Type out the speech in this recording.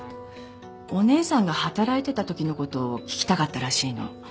お姉さんが働いてたときのこと聞きたかったらしいの。